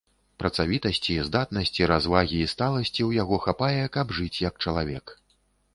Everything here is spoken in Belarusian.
Працавітасці, здатнасці, развагі і сталасці ў яго хапае, каб жыць, як чалавек.